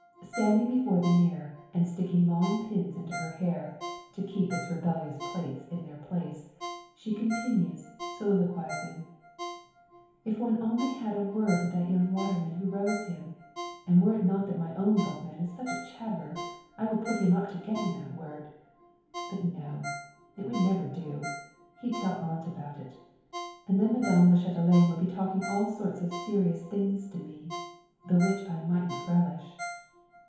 Standing before the mirror, and sticking long pins into her hair, to keep its rebellious plaits in their place, she continues soliloquising "If one only had a word with that young waterman who rows him! And were it not that my own boatman is such a chatterer, I'd put him up to getting that word. But no! It would never do. He'd tell aunt about it; and then Madame la Chatelaine would be talking all sorts of serious things to me the which I mightn't relish.